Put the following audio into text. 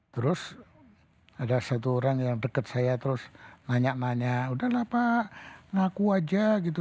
terus ada satu orang yang dekat saya terus nanya nanya udahlah pak ngaku aja gitu